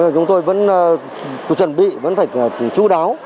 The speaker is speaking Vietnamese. chúng tôi vẫn chuẩn bị vẫn phải chú đáo